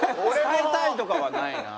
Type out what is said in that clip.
伝えたいとかはないな。